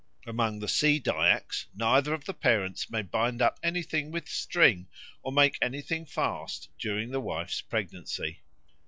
Among the Sea Dyaks neither of the parents may bind up anything with a string or make anything fast during the wife's pregnancy.